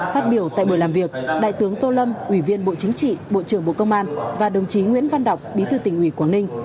phát biểu tại buổi làm việc đại tướng tô lâm ủy viên bộ chính trị bộ trưởng bộ công an và đồng chí nguyễn văn đọc bí thư tỉnh ủy quảng ninh